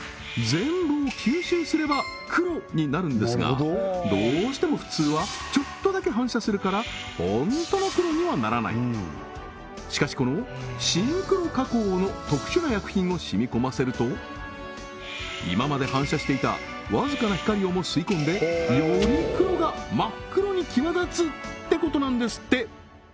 通常どうしても普通はちょっとだけ反射するからホントの黒にはならないしかしこの深黒加工の特殊な薬品を染み込ませると今まで反射していた僅かな光をも吸い込んでより黒が真っ黒に際立つってことなんですって